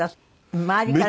周りから。